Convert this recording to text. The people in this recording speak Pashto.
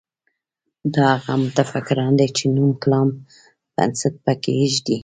دا هغه متفکران دي چې نوي کلام بنسټ به کېږدي.